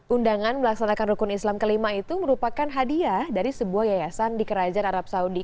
undangan melaksanakan rukun islam kelima itu merupakan hadiah dari sebuah yayasan di kerajaan arab saudi